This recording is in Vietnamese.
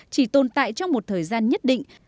chỉ tồn tại trong một thời gian nhất định